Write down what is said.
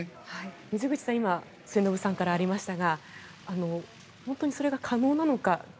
水口さん末延さんからありましたが本当にそれが可能なのか。